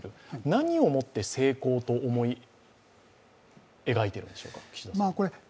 何を持って成功と思い描いているんでしょうか。